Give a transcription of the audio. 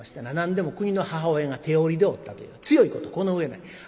何でもくにの母親が手織りで織ったという強いことこの上ない。